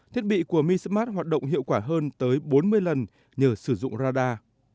thiết bị của mi smart hoạt động hiệu quả hơn tới bốn mươi lần nhờ sử dụng radar